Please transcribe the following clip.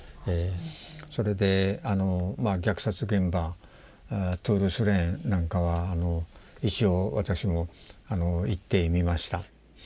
それで虐殺現場トゥール・スレンなんかは一応私も行ってみました。